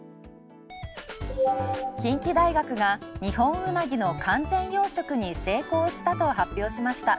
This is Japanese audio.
近畿大学がニホンウナギの完全養殖に成功したと発表しました。